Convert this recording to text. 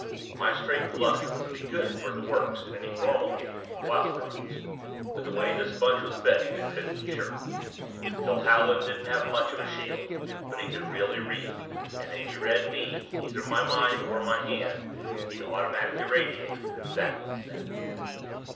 My straight flush would be good for the works in any normal game with wild cards, but the way this bunch was betting I couldn't be sure. Phil Howland didn't have much of a shield but he could really read, and if he read me either my mind or my hand he'd automatically radiate and that would be that.